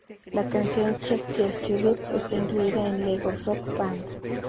La canción "Check Yes Juliet" está incluida en "Lego Rock Band".